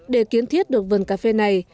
để kiến thiết được vườn cà phê này